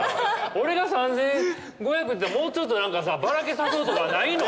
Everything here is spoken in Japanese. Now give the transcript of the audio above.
俺が３，５００って言ったらもうちょっと何かさばらけさそうとかないの？